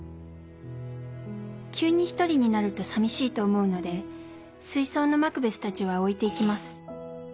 急に一人になると寂しいと思うので水槽の『マクベス』たちは置いて行きます。